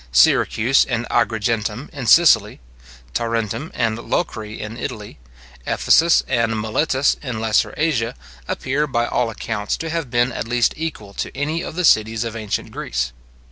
Syracuse and Agrigentum in Sicily, Tarentum and Locri in Italy, Ephesus and Miletus in Lesser Asia, appear, by all accounts, to have been at least equal to any of the cities of ancient Greece.